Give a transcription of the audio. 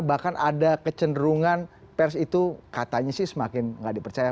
bahkan ada kecenderungan pers itu katanya sih semakin nggak dipercaya